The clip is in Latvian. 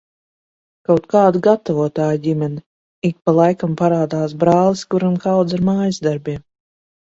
Kaut kāda gatavotāju ģimene. Ik pa laikam parādās brālis, kuram kaudze ar mājasdarbiem.